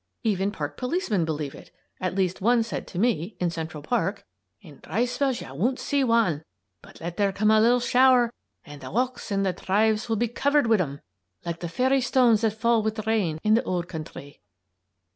Even park policemen believe it. At least, one said to me, in Central Park: "In dhry spells ye won't see wan. But let there come a little shower an' th' walks and the dhrives will be covered wid them; like the fairy stones that fall wid the rain in the ould counthry."